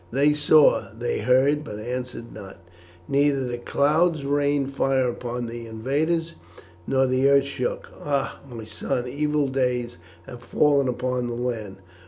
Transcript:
They saw, they heard, but answered not; neither the clouds rained fire upon the invaders nor the earth shook. Ah! my son, evil days have fallen upon the land.